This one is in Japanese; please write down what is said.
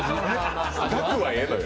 額はええのよ。